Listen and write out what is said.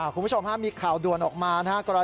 คุณผู้ชมมีข่าวด่วนออกมานะครับ